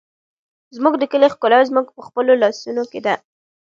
زموږ د کلي ښکلا زموږ په خپلو لاسونو کې ده.